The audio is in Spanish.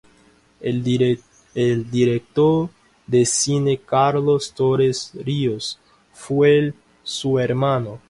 El director de cine Carlos Torres Ríos fue su hermano.